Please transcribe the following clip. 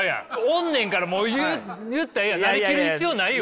おんねんからもう言ったらええやん成りきる必要ないよ。